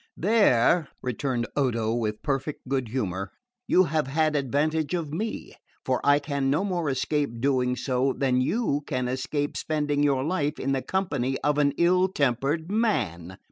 "There," returned Odo with perfect good humour, "you have had advantage of ME; for I can no more escape doing so than you can escape spending your life in the company of an ill tempered man."